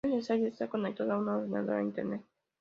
No es necesario estar conectado a un ordenador o a Internet.